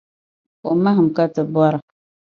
Ko mahim ka ti bɔra.